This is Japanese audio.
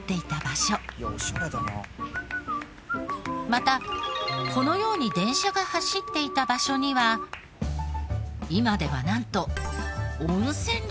またこのように電車が走っていた場所には今ではなんと温泉旅館が。